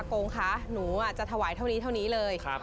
กงคะหนูจะถวายเท่านี้เลย